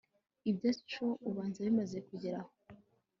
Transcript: ibyacu ubanza bimaze kugera aho